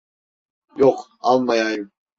Yok, almayayım.